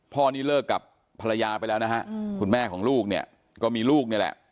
พ่อนี่เลิกกับภรรยาไปแล้วนะฮะคุณแม่ของลูกเนี่ยก็มีลูกนี่แหละ